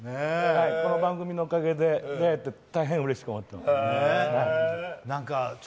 この番組のおかげで出会えて、大変うれしく思っております。